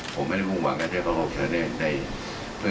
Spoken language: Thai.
ผมไม่ได้มุ่งหวังนะเที่ยวก็เข้าไปเชิญเรื่องหนึ่ง